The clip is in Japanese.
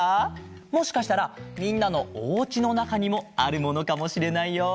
もしかしたらみんなのおうちのなかにもあるものかもしれないよ。